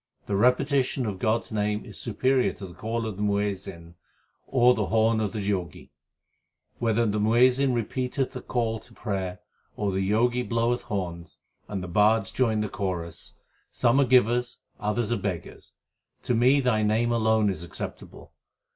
The repetition of God s name is superior to the call of the Muazzin l or the horn of the Jogi, Whether the Muazzin repeateth the call to prayer or the Jogi bloweth horns, and the bards join the chorus, Some are givers, others are beggars ; to me Thy name alone is acceptable.